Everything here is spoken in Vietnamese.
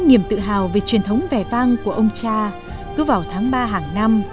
niềm tự hào về truyền thống vẻ vang của ông cha cứ vào tháng ba hàng năm